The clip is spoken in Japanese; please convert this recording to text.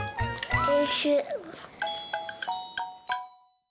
おいしい。